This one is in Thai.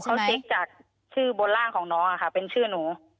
เขาเช็คจากชื่อบนร่างของน้องค่ะเป็นชื่อหนู